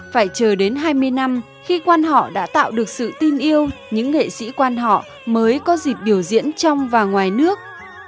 phải chờ đến hai mươi năm khi quan họ đã tạo được sự tin yêu những nghệ sĩ quan họ mới có dịp biểu diễn trong và ngoài nước